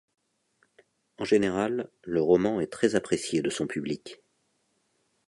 En général, le roman est très apprécié de son public.